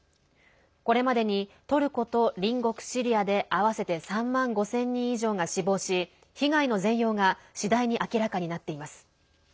これまでにトルコと隣国シリアで合わせて３万５０００人以上が死亡し被害の全容が次第に明らかになっています。